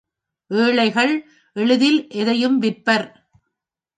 ஏழைகள், எளிதில் எதையும் விற்பர்.